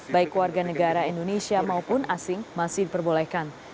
baik warga negara indonesia maupun asing masih diperbolehkan